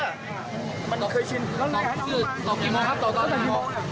กี่โมงพี่กี่โมง